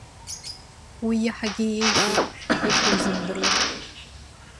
Уи иаҳагьы еиӷьуп, иахьузымдыруа.